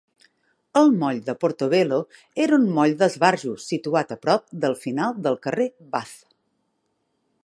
El moll de Portobello era un moll d'esbarjo situat a prop del final del carrer Bath.